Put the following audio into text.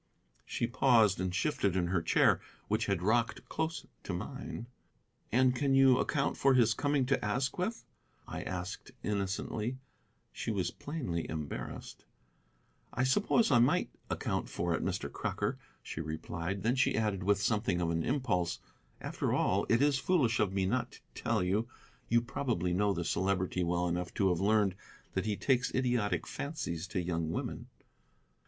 She paused and shifted her chair, which had rocked close to mine. "And can you account for his coming to Asquith?" I asked innocently. She was plainly embarrassed. "I suppose I might account for it, Mr. Crocker," she replied. Then she added, with something of an impulse, "After all, it is foolish of me not to tell you. You probably know the Celebrity well enough to have learned that he takes idiotic fancies to young women."